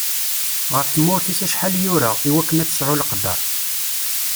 Ɣef tmurt-is acḥal yura, i wakken ad tesɛu leqder.